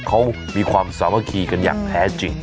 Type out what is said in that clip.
เขามีความสามัคคีกันอย่างแท้จริง